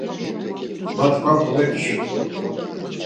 Ma tkvan komeǩç̌işut.